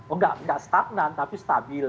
oh nggak stagnan tapi stabil